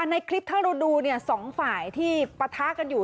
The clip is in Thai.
อ่าในคลิปถ้าเราดูเนี่ย๒ฝ่ายที่ปะทะกันอยู่